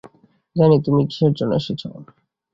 জানি তুমি কিসের জন্য এসেছ।